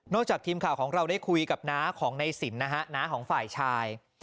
จากทีมข่าวของเราได้คุยกับน้าของในสินนะฮะน้าของฝ่ายชาย